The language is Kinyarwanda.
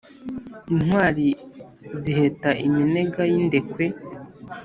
intwari ziheta iminega y' indekwe